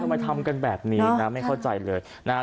ทำไมทำกันแบบนี้ไม่เข้าใจเลย